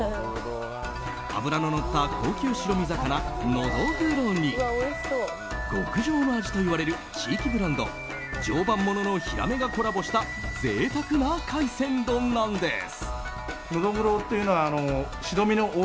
脂ののった高級白身魚ノドグロに極上の味といわれる地域ブランド常磐もののヒラメがコラボした贅沢な海鮮丼なんです。